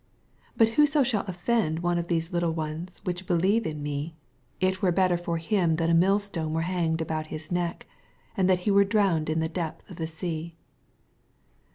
6 Bat whoso shall offend one of these little ones which believe in me, It were better for him that a millstone were handed about his neck, and that he were drowned in the depth of the B«a.